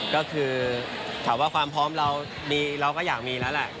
ก็คือถามว่าความพร้อมเราก็อยากมีแล้วแหละ